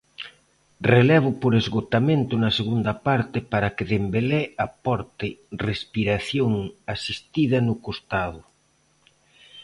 Relevo por esgotamento na segunda parte para que Dembelé aporte respiración asistida no costado.